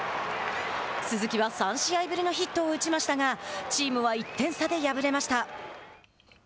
鈴木は３試合ぶりのヒットを打ちましたがチームは１点差で敗れました。